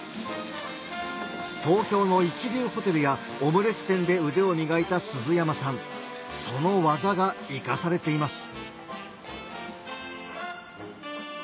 東京の一流ホテルやオムレツ店で腕を磨いた鈴山さんその技が生かされています